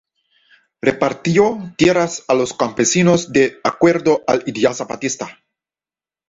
Repartió tierras a los campesinos, de acuerdo al ideal zapatista.